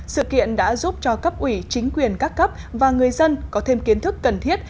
sự kiện đã giúp cho cấp ủy chính quyền các cấp và người dân có thêm kiến thức cần thiết